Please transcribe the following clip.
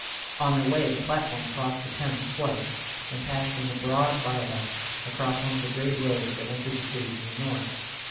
On their way the platforms crossed the Thames twice, and passed in a broad viaduct across one of the great roads that entered the city from the North.